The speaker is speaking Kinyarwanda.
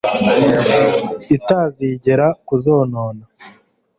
itazigera kuzonona